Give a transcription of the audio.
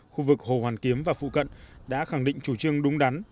khu vực hồ hoàn kiếm và phụ cận đã khẳng định chủ trương đúng đắn